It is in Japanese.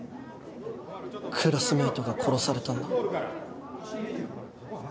クラスメートが殺されたんだ。